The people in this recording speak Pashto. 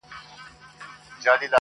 ټول مېږي وه خو هر ګوره سره بېل وه!